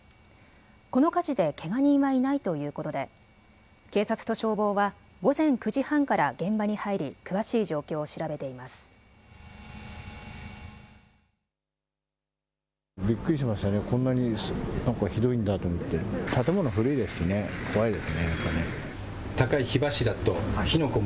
この火事でけが人はいないということで警察と消防は午前９時半から現場に入り詳しい状況を調べています。